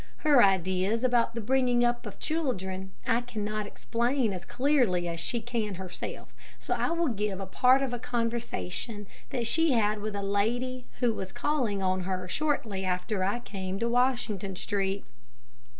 Her ideas about the bringing up of children I cannot explain as clearly as she can herself, so I will give part of a conversation that she had with a lady who was calling on her shortly after I came to Washington Street.